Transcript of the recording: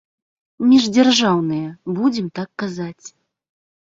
Міждзяржаўныя, будзем так казаць.